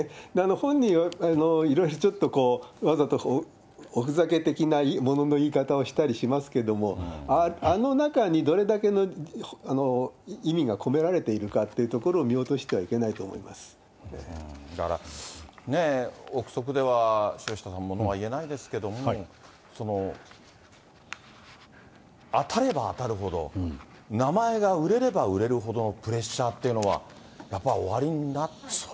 本人はいろいろちょっとこう、わざとおふざけ的なものの言い方をしたりしますけれども、あの中に、どれだけの意味が込められているかっていうところを、見落とだから、憶測では城下さん、ものは言えないですけれども、当たれば当たるほど、名前が売れれば売れるほどのプレッシャーっていうのは、やっぱりおありになったでしょうね。